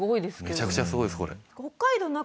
めちゃくちゃすごいですこれ。